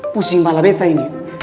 pusing malah betta ini